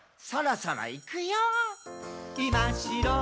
「そろそろいくよー」